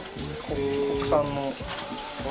国産の。